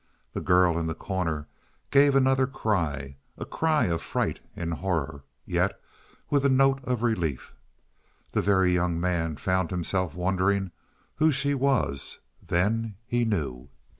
The girl in the corner gave another cry a cry of fright and horror, yet with a note of relief. The Very Young Man found himself wondering who she was; then he knew.